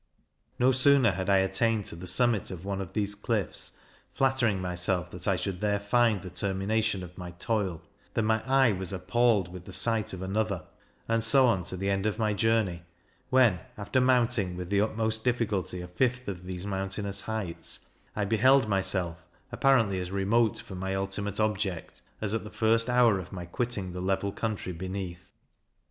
No sooner had I attained to the summit of one of these cliffs, flattering myself that I should there find the termination of my toil, than my eye was appalled with the sight of another, and so on to the end of my journey; when, after mounting with the utmost difficulty a fifth of these mountainous heights, I beheld myself, apparently, as remote from my ultimate object, as at the first hour of my quitting the level country beneath.